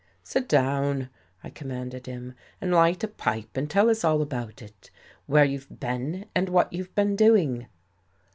" Sit down," I commanded him, " and light a pipe, and tell us all about it. Where you've been and what you've been doing."